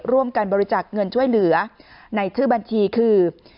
ร่วมกันบริจาคเงินช่วยเหลือในชื่อบัญชีคือ